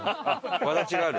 わだちがある？